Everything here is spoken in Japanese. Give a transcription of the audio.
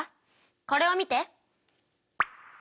これを見て。